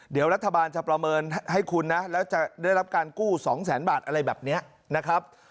เดี๋ยวรัฐบาลจะประเมินให้คุณนะแล้วจะได้รับการกู้๒แสนบาทอะไรแบบนี้นะครับ